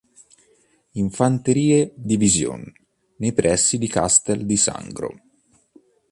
Infanterie-Division nei pressi di Castel di Sangro.